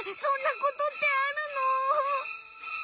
そんなことってあるの！？